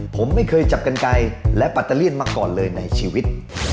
ผมไม่เคยจับกันไกลและปัตเตอร์เลียนมาก่อนเลยในชีวิต